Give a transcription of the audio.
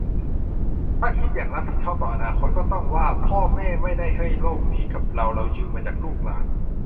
ถ้าคิดอย่างรับผิดชอบต่ออนาคตก็ต้องว่า 'พ่อแม่ไม่ได้ให้โลกนี้กับเรา เรายืมมาจากลูกหลาน'